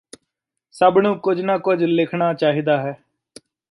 ਸਭ ਨੂੰ ਕੁੱਝ ਨਾ ਕੁੱਝ ਲਿਖਣਾਂ ਚਾਹੀਦਾ ਹੈ